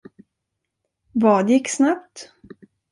Vad gick snabbt?